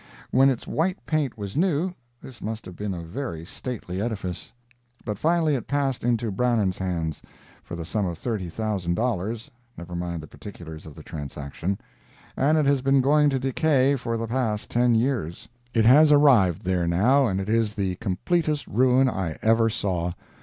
When its white paint was new, this must have been a very stately edifice. But finally it passed into Brannan's hands—for the sum of thirty thousand dollars (never mind the particulars of the transaction)—and it has been going to decay for the past ten years. It has arrived there now, and it is the completest ruin I ever saw.